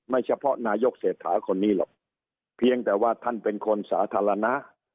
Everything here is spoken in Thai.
เฉพาะนายกเศรษฐาคนนี้หรอกเพียงแต่ว่าท่านเป็นคนสาธารณะ